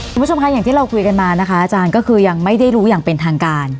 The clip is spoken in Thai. คุณผู้ชมคะอย่างที่เราคุยกันมานะคะอาจารย์ก็คือยังไม่ได้รู้อย่างเป็นทางการ